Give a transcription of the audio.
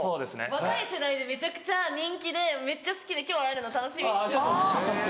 若い世代でめちゃくちゃ人気でめっちゃ好きで今日会えるの楽しみにして。